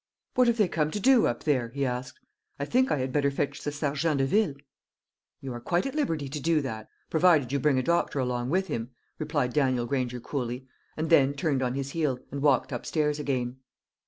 "What have they come to do up there?" he asked. "I think I had better fetch the sergent de ville." "You are quite at liberty to do that, provided you bring a doctor along with him," replied Daniel Granger coolly, and then turned on his heel and walked upstairs again.